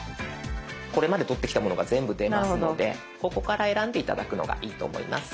これまで撮ってきたものが全部出ますのでここから選んで頂くのがいいと思います。